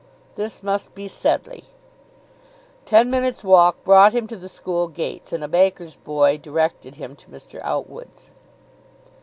This must be Sedleigh. Ten minutes' walk brought him to the school gates, and a baker's boy directed him to Mr. Outwood's.